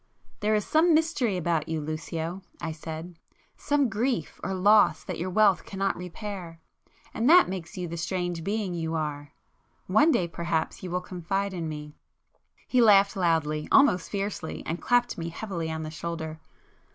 "There is some mystery about you Lucio;"—I said—"Some grief or loss that your wealth cannot repair—and that makes you the strange being you are. One day perhaps you will confide in me ..." He laughed loudly,—almost fiercely;—and clapped me heavily on the shoulder.